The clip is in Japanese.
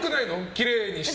きれいにしてて。